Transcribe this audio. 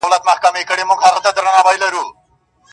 پوليس کور ته راځي ناڅاپه,